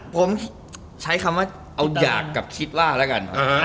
ผมใช้คำว่าเอาหยากกับคิดว่าแล้วกัน